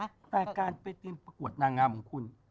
แต่การไปเตรียมประกวดนางงามของคุณ